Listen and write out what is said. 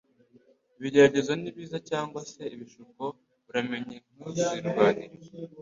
Ibigeragezo nibiza cyangwa se ibishuko, uramenye ntuzirwanirire,